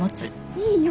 いいよ。